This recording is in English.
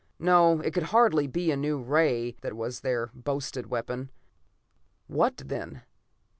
No, it could hardly be a new ray that was their boasted weapon. What, then?